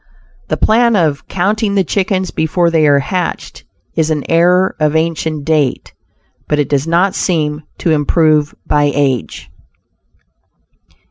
The plan of "counting the chickens before they are hatched" is an error of ancient date, but it does not seem to improve by age.